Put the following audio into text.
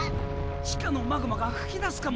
地下のマグマが噴き出すかもしれない！